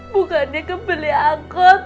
bukannya kebeli angkot